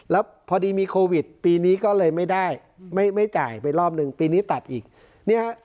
แล้วพอดีมีโควิดปีนี้ก็เลยไม่ได้ไม่จ่ายไปรอบหนึ่งปีนี้ตัดอีกเนี่ยฮะ